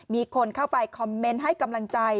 มีคนเข้าไปคอมเมนต์ให้กำลังใจ